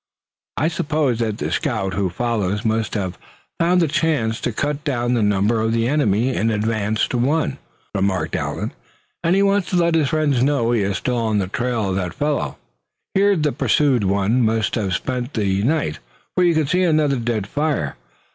"I suppose that the scout who follows must have found a chance to cut down the number of the enemy in advance to one," remarked Allan; "and he wants to let his friend know he is still on the trail of that fellow. Here the pursued one must have spent the night, for you can see another dead fire.